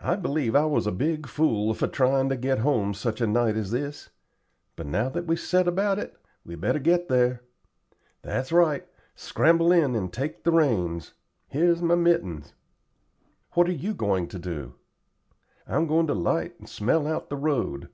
"I believe I was a big fool for tryin' to get home such a night as this; but now that we've set about it, we'd better get there. That's right. Scramble in and take the reins. Here's my mittens." "What are you going to do?" "I'm going to 'light and smell out the road.